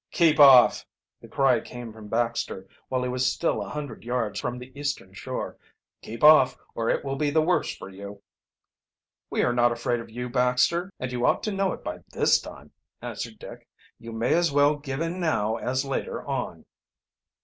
"Keep off!" The cry came from Baxter, while he was still a hundred yards from the eastern shore. "Keep off, or it will be the worse for you!" "We are not afraid of you, Baxter, and you ought to know it by this time," answered Dick. "You may as well give in now as later on."